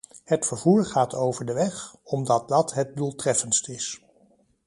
Het vervoer gaat over de weg, omdat dat het doeltreffendst is.